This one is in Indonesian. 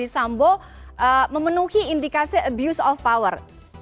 sambo memenuhi indikasi abuse of power